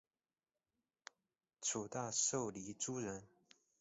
诸大绶漓渚人。